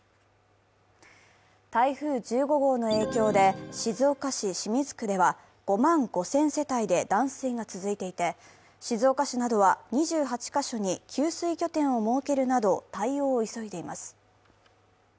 台風１５号の影響で静岡市清水区では、５万５０００世帯で断水が続いていて、静岡市などは２８か所に給水拠点を設けるなど対応を急いでいます。